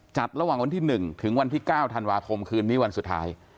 ระหว่างวันที่๑ถึงวันที่๙ธันวาคมคืนนี้วันสุดท้าย